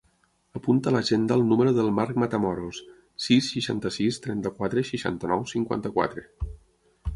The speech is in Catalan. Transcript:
Apunta a l'agenda el número del Mark Matamoros: sis, seixanta-sis, trenta-quatre, seixanta-nou, cinquanta-quatre.